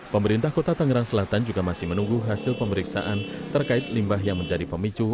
pemerintah kota tangerang selatan juga masih menunggu hasil pemeriksaan terkait limbah yang menjadi pemicu